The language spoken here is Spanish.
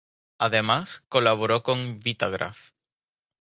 Además, colaboró con Vitagraph.